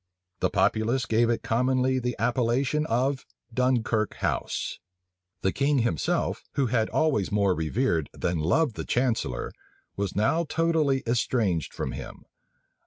The populace gave it commonly the appellation of Dunkirk House. [Illustration: 1 781 chatham.jpg CHATHAM] The king himself, who had always more revered than loved the chancellor, was now totally estranged from him.